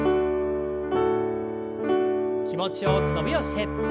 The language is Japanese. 気持ちよく伸びをして。